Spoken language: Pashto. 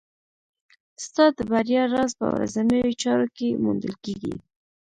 ستا د بریا راز په ورځنیو چارو کې موندل کېږي.